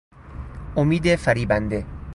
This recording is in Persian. امید فریبنده